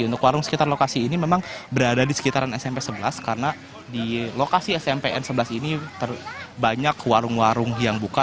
untuk warung sekitar lokasi ini memang berada di sekitaran smp sebelas karena di lokasi smpn sebelas ini banyak warung warung yang buka